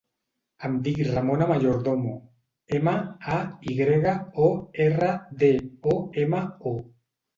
Em dic Ramona Mayordomo: ema, a, i grega, o, erra, de, o, ema, o.